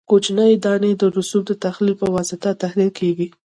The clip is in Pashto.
کوچنۍ دانې د رسوب د تحلیل په واسطه تحلیل کیږي